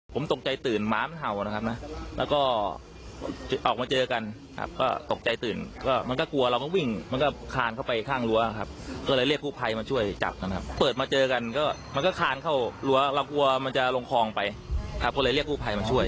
ผมตกใจตื่นหมามันเห่านะครับนะแล้วก็ออกมาเจอกันครับก็ตกใจตื่นก็มันก็กลัวเราก็วิ่งมันก็คานเข้าไปข้างรั้วครับก็เลยเรียกกู้ภัยมาช่วยจับนะครับเปิดมาเจอกันก็มันก็คานเข้ารั้วเรากลัวมันจะลงคลองไปครับก็เลยเรียกกู้ภัยมาช่วย